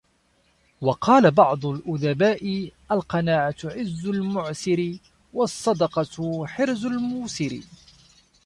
وَقَالَ بَعْضُ الْأُدَبَاءِ الْقَنَاعَةُ عِزُّ الْمُعْسِرِ ، وَالصَّدَقَةُ حِرْزُ الْمُوسِرِ